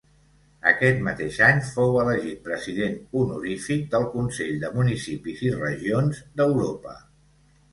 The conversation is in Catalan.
Aquest mateix any fou elegit president honorífic del Consell de Municipis i Regions d'Europa.